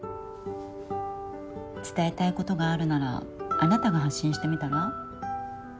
伝えたいことがあるならあなたが発信してみたら？